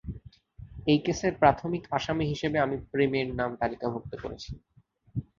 এই কেসের প্রাথমিক আসামী হিসেবে আমি প্রেমের নাম তালিকাভুক্ত করেছি।